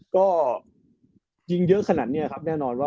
ก็ยิงเยอะขนาดนี้ครับแน่นอนว่า